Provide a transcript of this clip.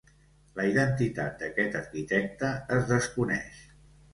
La identitat d"aquest arquitecte es desconeix.